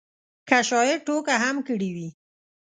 که شاعر ټوکه هم کړې وي.